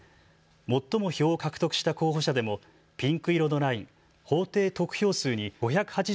最も票を獲得した候補者でもピンク色のライン、法定得票数に５８９．７５